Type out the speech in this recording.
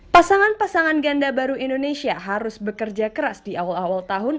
pasangan pasangan ganda baru indonesia harus bekerja keras di awal awal tahun